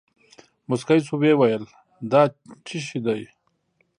موسکى سو ويې ويل دا چي شې دي.